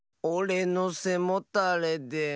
「おれのせもたれで」。